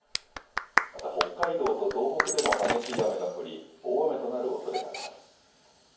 また北海道と東北でも激しい雨が降り大雨となるおそれがあります。